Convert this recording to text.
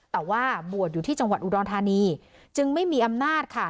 แต่ว่าบวชอยู่ที่จังหวัดอุดรธานีจึงไม่มีอำนาจค่ะ